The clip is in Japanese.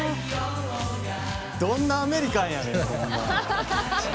どんなアメリカンやねんこんな。